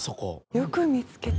よく見つけた。